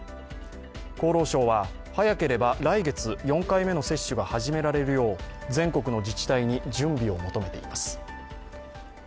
厚労省は早ければ来月、４回目の接種が始められるよう全国の自治体に準備を求めています。